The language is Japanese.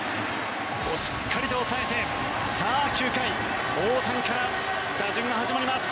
しっかりと抑えて９回大谷から打順が始まります。